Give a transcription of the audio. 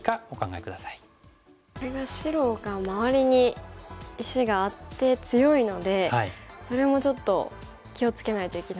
これが白が周りに石があって強いのでそれもちょっと気を付けないといけないですよね。